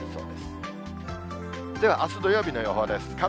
では、あす土曜日の予報です。